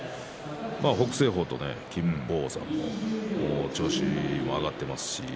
北青鵬と金峰山も調子も上がっていますし。